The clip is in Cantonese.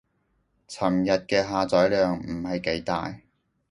尋日嘅下載量唔係幾大